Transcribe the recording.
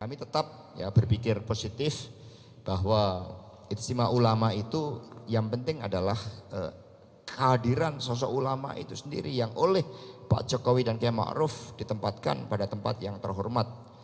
kami tetap berpikir positif bahwa istimewa ulama itu yang penting adalah kehadiran sosok ulama itu sendiri yang oleh pak jokowi dan kiai ⁇ maruf ⁇ ditempatkan pada tempat yang terhormat